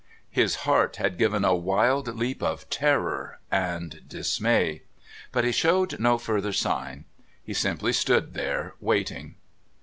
His heart had given a wild leap of terror and dismay. But he showed no further sign. He simply stood there waiting.